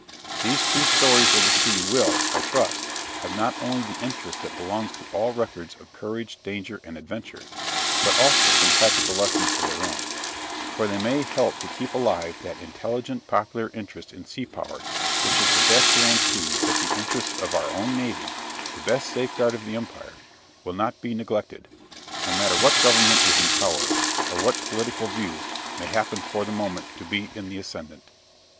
These true stories of the sea will, I trust, have not only the interest that belongs to all records of courage, danger, and adventure, but also some practical lessons of their own, for they may help to keep alive that intelligent popular interest in sea power which is the best guarantee that the interests of our own navy the best safeguard of the Empire will not be neglected, no matter what Government is in power, or what political views may happen for the moment to be in the ascendant.